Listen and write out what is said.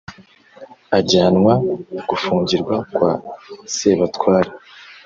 ajyanwa gufungirwa kwa sebatware